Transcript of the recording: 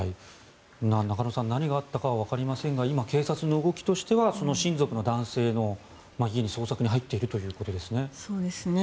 中野さん何があったのかはわかりませんが今、警察の動きとしてはその親族の男性の家に捜索に入っているということですね。